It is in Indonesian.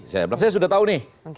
saya bilang saya sudah tahu nih